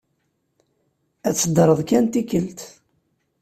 Ad teddreḍ kan tikkelt.